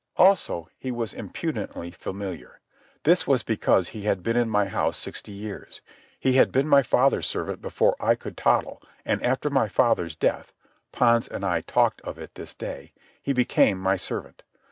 Also, he was impudently familiar. This was because he had been in my house sixty years. He had been my father's servant before I could toddle, and after my father's death (Pons and I talked of it this day) he became my servant.